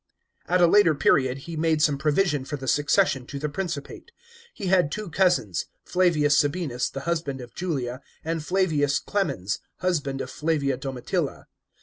At a later period he made some provision for the succession to the Principate. He had two cousins, Flavius Sabinus, the husband of Julia, and Flavius Clemens, husband of Flavia Domitilla.